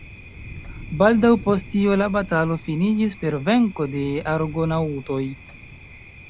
Baldaŭ post tio la batalo finiĝis per venko de Argonaŭtoj.